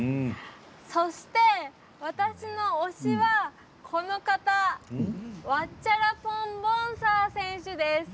そして、私の推しはこの方ワッチャラポン・ボンサー選手。